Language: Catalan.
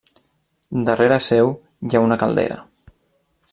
Darrere seu hi ha una caldera.